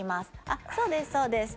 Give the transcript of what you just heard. あっそうですそうです。